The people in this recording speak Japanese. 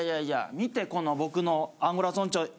見てこの僕のアンゴラ村長。